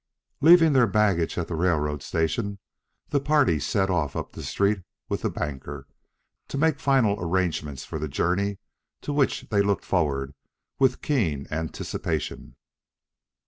Leaving their baggage at the railroad station, the party set off up the street with the banker, to make final arrangements for the journey to which they looked forward with keen anticipation.